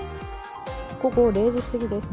午後０時すぎです。